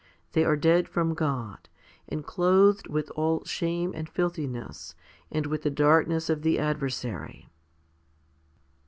They are dead from God, and clothed with all shame and filthi ness and with the darkness of the adversary.